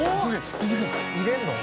「入れるの？